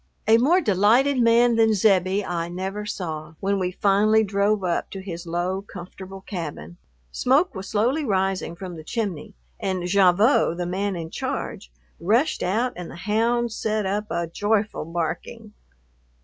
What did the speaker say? A more delighted man than Zebbie I never saw when we finally drove up to his low, comfortable cabin. Smoke was slowly rising from the chimney, and Gavotte, the man in charge, rushed out and the hounds set up a joyful barking.